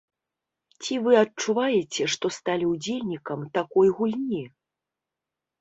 Ці вы адчуваеце, што сталі ўдзельнікам такой гульні?